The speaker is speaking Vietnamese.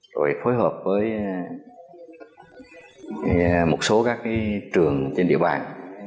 rồi phối hợp với một số các trường trên địa bàn